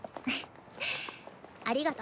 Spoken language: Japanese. ありがと。